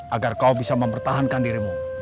agar kau bisa mempertahankan dirimu